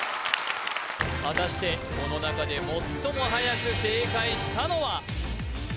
果たしてこの中で最もはやく正解したのは？